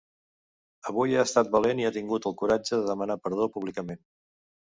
Avui ha estat valent i ha tingut el coratge de demanar perdó públicament.